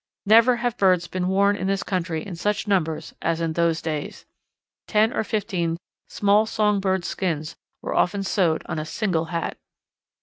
Never have birds been worn in this country in such numbers as in those days. Ten or fifteen small song birds' skins were often sewed on a single hat!